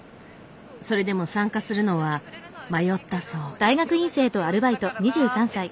それでも参加するのは迷ったそう。